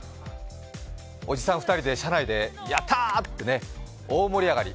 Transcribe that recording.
おじさん２人で車内でやったー！と大盛り上がり。